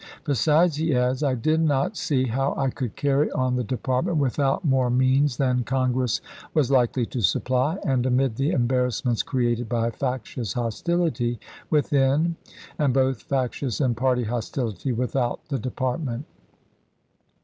" Besides," he adds, " I did not see how I could carry on the department without more means than Con Chase gress was likely to supply, and amid the embarrass wSien ments created by factious hostility within and both s'Jmonk factious and party hostility without the depart p.wo. ment."